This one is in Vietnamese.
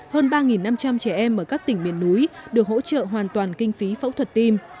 hơn ba năm trăm linh trẻ em ở các tỉnh miền núi được hỗ trợ hoàn toàn kinh phí phẫu thuật tim